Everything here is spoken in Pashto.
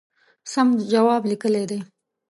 سم جواب لیکلی دی.